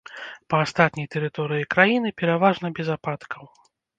Па астатняй тэрыторыі краіны пераважна без ападкаў.